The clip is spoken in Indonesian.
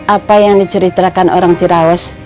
apa yang diceritakan orang jerawas